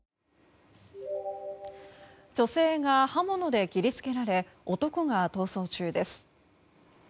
女性が刃物で切り付けられ男が逃走中です。